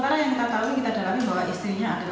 karena istri dari para pelaku dinikahi